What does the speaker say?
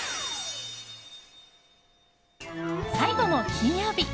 最後も金曜日。